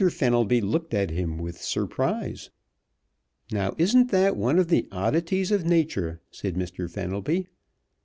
Fenelby looked at him with surprise. "Now, isn't that one of the oddities of nature?" said Mr. Fenelby.